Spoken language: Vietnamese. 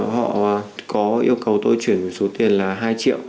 họ có yêu cầu tôi chuyển về số tiền là hai triệu